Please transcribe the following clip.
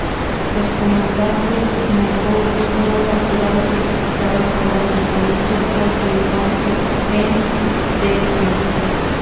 Los comandantes mongoles fueron capturados y ejecutados por aplastamiento por elefante en Delhi.